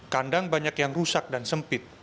kandang banyak yang rusak dan sempit